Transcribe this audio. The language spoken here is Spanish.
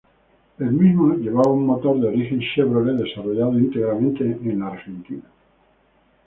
El mismo, llevaba un motor de origen Chevrolet desarrollado íntegramente en Argentina.